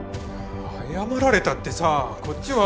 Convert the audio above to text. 謝られたってさこっちは。